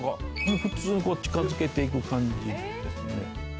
普通にこう近づけて行く感じですね。